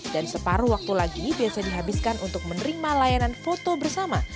dan separuh waktu lagi biasanya dihabiskan untuk menerima layanan foto bersama